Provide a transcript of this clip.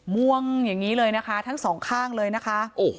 ม่วงอย่างนี้เลยนะคะทั้งสองข้างเลยนะคะ